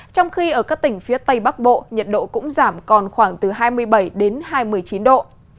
trong khi ở các tỉnh phía tây bắc bộ nhiệt độ cũng giảm còn khoảng từ hai mươi bảy đến hai mươi chín độ